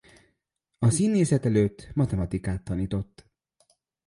A színészet előtt matematikát tanított.